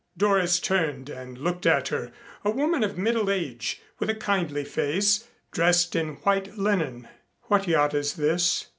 Doris turned and looked at her, a woman of middle age, with a kindly face, dressed in white linen. "What yacht is this?"